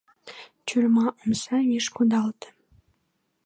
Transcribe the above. Тюрьма омса виш кодалте.